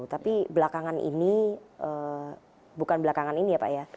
tapi belakangan ini bukan belakangan ini ya pak ya